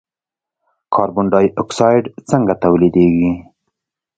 کاربن ډای اکساید څنګه تولیدیږي.